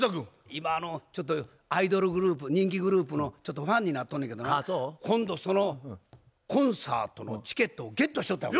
今ちょっとアイドルグループ人気グループのちょっとファンになっとんのやけどな今度そのコンサートのチケットをゲットしよったわけ。